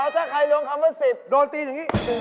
อ๋อถ้าใครรวมเข้า๑๐โดนตีอย่างนี้